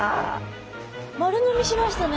丸飲みしましたね。